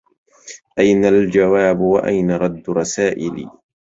أين الجواب وأين رد رسائلي